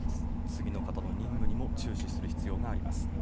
次の方の任務にも注視する必要があります。